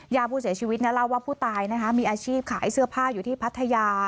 ญาติผู้เสียชีวิตเล่าว่าผู้ตายมีอาชีพขายเสื้อผ้าอยู่ที่พัทยา